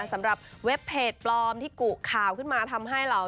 สำหรับเว็บเพจปลอมที่กุข่าวขึ้นมาทำให้เรา